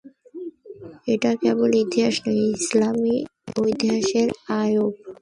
এটা কেবল ইতিহাস নয়, ইসলামী ঐতিহ্যের অবয়ব।